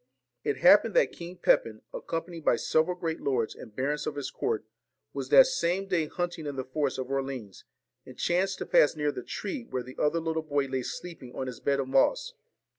It happened that King Pepin, accompanied by several great lords and barons of his court, was that same day hunting in the forest of Orleans, and chanced to pass near the tree where the other little boy lay sleeping on his bed of moss.